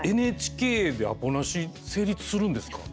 ＮＨＫでアポなし成立するんですか？